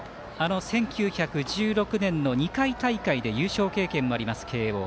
１９１６年の２回大会で優勝経験もあります、慶応。